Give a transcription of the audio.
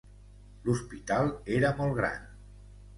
L'hospital era molt gran